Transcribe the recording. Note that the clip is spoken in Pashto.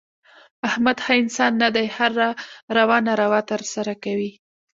احمد ښه انسان نه دی. هره روا ناروا ترسه کوي.